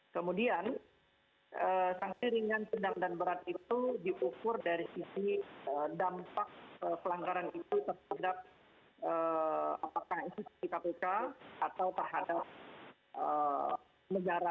kemudian sanksi ringan sedang dan berat itu diukur dari sisi dampak pelanggaran itu terhadap apakah institusi kpk atau terhadap negara